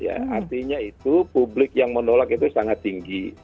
artinya itu publik yang menolak itu sangat tinggi